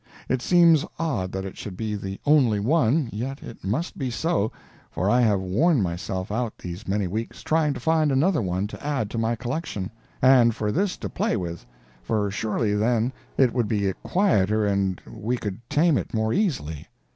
It seems odd that it should be the only one, yet it must be so, for I have worn myself out these many weeks trying to find another one to add to my collection, and for this to play with; for surely then it would be quieter and we could tame it more easily.